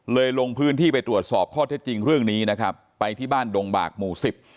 ลงพื้นที่ไปตรวจสอบข้อเท็จจริงเรื่องนี้นะครับไปที่บ้านดงบากหมู่สิบ